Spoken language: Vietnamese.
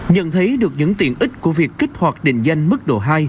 nhận thấy được những tiện ích của việc kích hoạt định danh mức độ hai